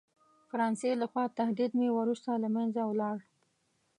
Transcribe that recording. فرانسې له خوا تهدید هم وروسته له منځه ولاړ.